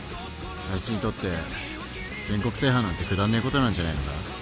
あいつにとって全国制覇なんてくだんねえことなんじゃねえのか。